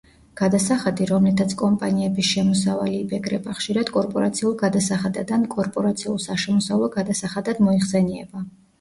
გადასახადი, რომლითაც კომპანიების შემოსავალი იბეგრება ხშირად კორპორაციულ გადასახადად ან კორპორაციულ საშემოსავლო გადასახადად მოიხსენიება.